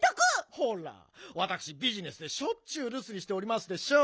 ほらわたくしビジネスでしょっちゅうるすにしておりますでしょう。